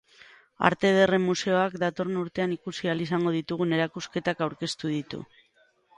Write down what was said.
Arte ederren museoak datorren urtean ikusi ahal izango ditugun erakusketak aurkeztu ditu.